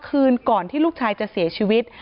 คืนก่อนที่ลูกชายจะเสียชีวิต